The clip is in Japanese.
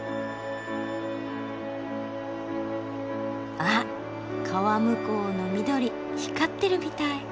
あっ川向こうの緑光ってるみたい。